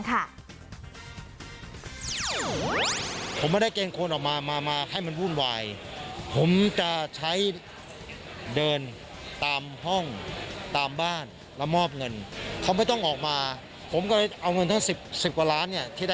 ทางมวลที่ถ้าให้คูปอง๑ใบ